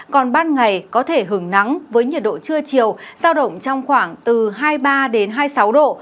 còn ban ngày có thể hứng nắng với nhiệt độ trưa chiều sao động trong khoảng từ hai mươi ba đến hai mươi sáu độ